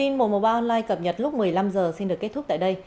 nhật lúc một mươi năm h xin được kết thúc tại đây